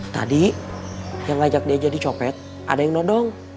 tadi yang ngajak dia jadi copet ada yang nodong